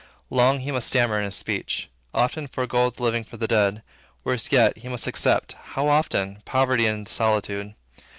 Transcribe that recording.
Long he must stammer in his speech; often forego the living for the dead. Worse yet, he must accept, how often! poverty and solitude.